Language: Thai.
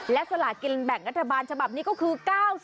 และสลากินแบ่งรัฐบาลฉบับนี้ก็คือ๙๐